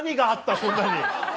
そんなに。